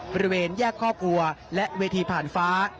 บริเวณแยกครอบครัวและเวทีผ่านฟ้า